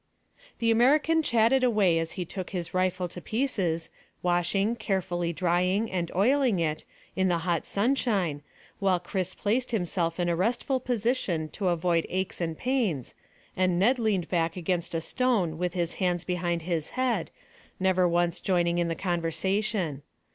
The American chatted away as he took his rifle to pieces, washing, carefully drying, and oiling it, in the hot sunshine, while Chris placed himself in a restful position to avoid aches and pains, and Ned leaned back against a stone with his hands behind his head, never once joining in the conversation.